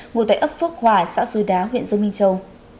ngụ tại ấp phước hòa xã xuôi đá huyện dương minh châu